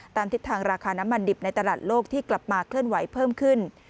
ทิศทางราคาน้ำมันดิบในตลาดโลกที่กลับมาเคลื่อนไหวเพิ่มขึ้น